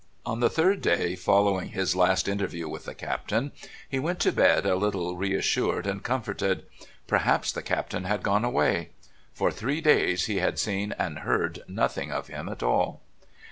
On the third day following his last interview with the Captain he went to bed a little reassured and comforted. Perhaps the Captain had gone away. For three days he had seen and heard nothing of him at all.